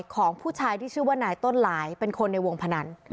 ของผู้ชายที่ชื่อว่านายต้นหลายเป็นคนในวงพนัน